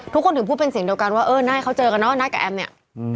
ทุกคนถึงพูดเป็นเสียงเดียวกันว่าเออน่าให้เขาเจอกันเนอะน่ากับแอมเนี่ย